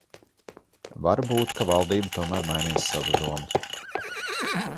Var būt, ka valdība tomēr mainīs savas domas.